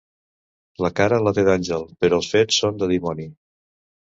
La cara la té d'àngel, però els fets són de dimoni.